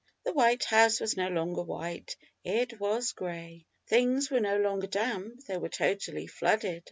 The White House was no longer white, it was grey. Things were no longer damp, they were totally flooded.